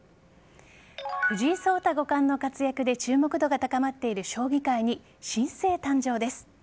藤井聡太五冠の活躍で注目度が高まっている将棋界に新星誕生です。